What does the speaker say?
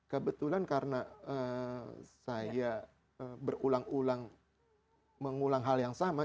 kebetulan karena saya berulang ulang mengulang hal yang sama